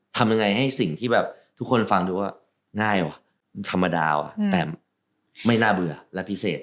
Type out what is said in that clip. ทำยังไงให้สิ่งที่แบบทุกคนฟังดูว่าง่ายว่ะธรรมดาแต่ไม่น่าเบื่อและพิเศษ